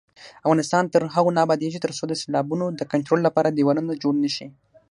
افغانستان تر هغو نه ابادیږي، ترڅو د سیلابونو د کنټرول لپاره دېوالونه جوړ نشي.